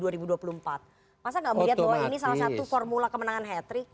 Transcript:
masa gak melihat bahwa ini salah satu formula kemenangan hat trick